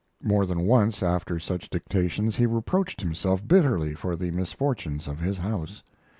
More than once after such dictations he reproached himself bitterly for the misfortunes of his house.